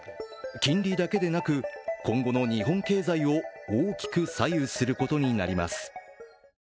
金利だけでなく、今後の日本経済を大きく左右することになります。